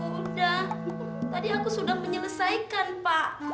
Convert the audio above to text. udah tadi aku sudah menyelesaikan pak